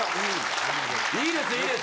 いいですいいです。